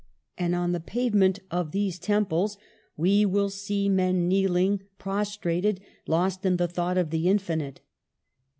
And on the pavement of these temples we will see men kneeling, prostrated, lost in the thought of the infinite.